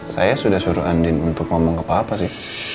saya sudah suruh andin untuk ngomong ke papa sih